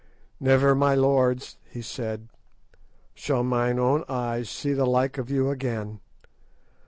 "Never, my lords," he said, "shall mine old eyes see the like of you again.